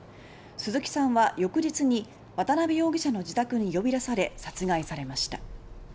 鈴木さんは翌日に渡辺容疑者の自宅に呼び出され殺害されました。